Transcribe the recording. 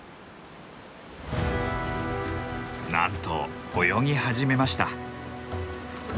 なんと泳ぎ始めました。